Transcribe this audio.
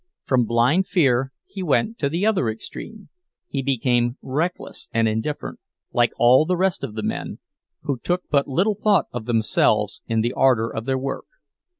From blind fear he went to the other extreme; he became reckless and indifferent, like all the rest of the men, who took but little thought of themselves in the ardor of their work.